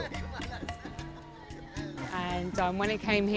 ketika kami datang ke sini